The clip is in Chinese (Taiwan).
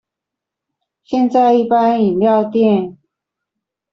現在一般飲料店